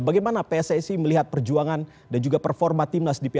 bagaimana pssi melihat perjuangan dan juga performa tim nas indonesia